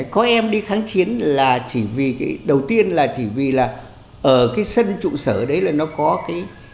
có em đi kháng chiến là chỉ vì cái đầu tiên là chỉ vì là ở cái sân trụ sở đấy là nó có cái